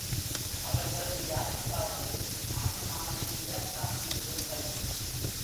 அவர்களில் யாருக்காவது மாயமானை இலக்காக்கி விடுங்கள்.